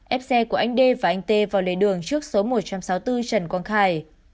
ép xe của anh đê và anh tê vào lề đường trước số một trăm sáu mươi bốn trần quang khải